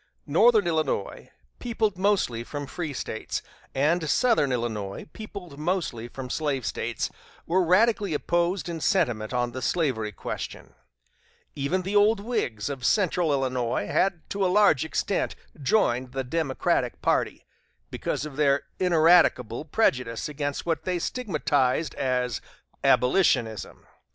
Northern Illinois, peopled mostly from free States, and southern Illinois, peopled mostly from slave States, were radically opposed in sentiment on the slavery question; even the old Whigs of central Illinois had to a large extent joined the Democratic party, because of their ineradicable prejudice against what they stigmatized as "abolitionism."